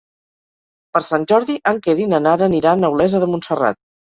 Per Sant Jordi en Quer i na Nara aniran a Olesa de Montserrat.